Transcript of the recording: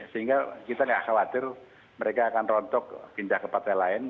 sehingga kita tidak khawatir mereka akan rontok pindah ke partai lain